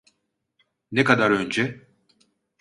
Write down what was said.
Ne kadar önce?